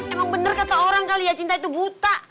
emang bener kata orang kali ya cinta itu buta